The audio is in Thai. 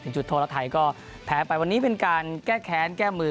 จุดโทษแล้วไทยก็แพ้ไปวันนี้เป็นการแก้แค้นแก้มือ